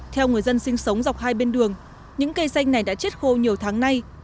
theo người dân sinh sống dọc hai bên đường những cây xanh này đã chết khô nhiều tháng nay